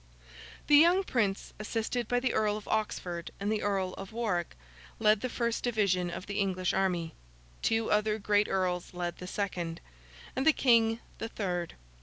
The young Prince, assisted by the Earl of Oxford and the Earl of Warwick, led the first division of the English army; two other great Earls led the second; and the King, the third.